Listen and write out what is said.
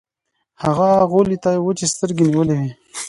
هغې غولي ته وچې سترګې نيولې وې.